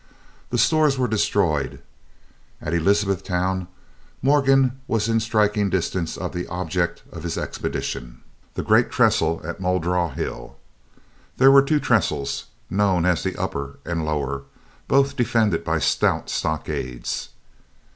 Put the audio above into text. The stores were destroyed. At Elizabethtown Morgan was in striking distance of the object of his expedition, the great trestles at Muldraugh Hill. There were two trestles, known as the upper and lower, both defended by stout stockades.